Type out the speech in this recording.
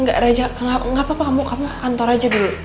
gak raja gak apa kamu kantor aja dulu